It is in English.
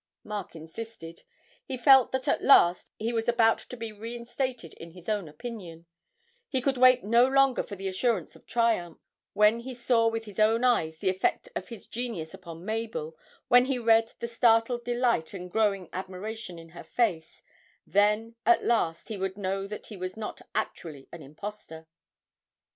Mark insisted; he felt that at last he was about to be reinstated in his own opinion, he could wait no longer for the assurance of triumph; when he saw with his own eyes the effect of his genius upon Mabel, when he read the startled delight and growing admiration in her face, then at last he would know that he was not actually an impostor!